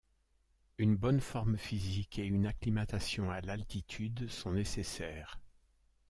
Une bonne forme physique et une acclimatation à l'altitude sont nécessaires.